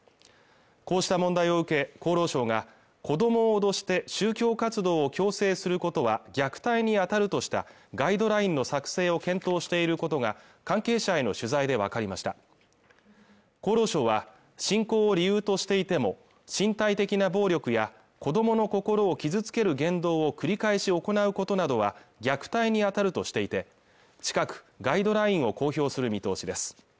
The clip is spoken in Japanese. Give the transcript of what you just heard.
こうした問題を受け厚労省が子供を脅して宗教活動を強制することは虐待に当たるとしたガイドラインの作成を検討していることが関係者への取材で分かりました厚労省は信仰を理由としていても身体的な暴力や子どもの心を傷つける言動を繰り返し行うことなどは虐待に当たるとしていて近くガイドラインを公表する見通しです